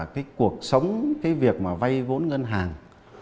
cái cuộc sống cái việc mà vay vốn ngân hàng